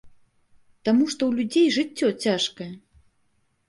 Таму што ў людзей жыццё цяжкае.